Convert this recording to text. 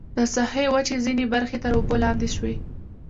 د ساحې وچې ځینې برخې تر اوبو لاندې شوې.